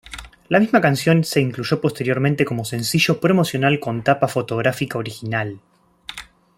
La misma canción se incluyó posteriormente como sencillo promocional con tapa fotográfica original.